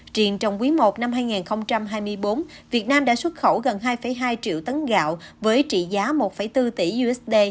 triền trong quý i năm hai nghìn hai mươi bốn việt nam đã xuất khẩu gần hai hai triệu tấn gạo với trị giá một bốn tỷ usd